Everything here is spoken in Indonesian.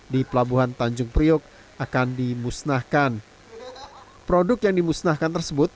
di pelabuhan tanjung priok akan dimusnahkan